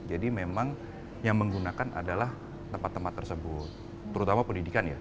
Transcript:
jadi memang yang menggunakan adalah tempat tempat tersebut terutama pendidikan ya